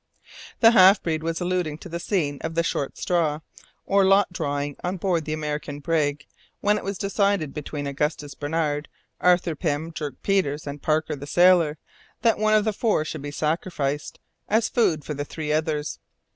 The half breed was alluding to the scene of the "short straw" (or lot drawing) on board the American brig, when it was decided between Augustus Barnard, Arthur Pym, Dirk Peters, and Parker, the sailor, that one of the four should be sacrificed as food for the three others.